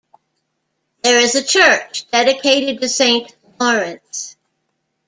There is a church, dedicated to Saint Lawrence.